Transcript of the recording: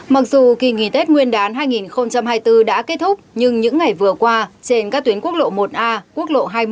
mặc dù kỳ nghỉ tết nguyên đán hai nghìn hai mươi bốn đã kết thúc nhưng những ngày vừa qua trên các tuyến quốc lộ một a quốc lộ hai mươi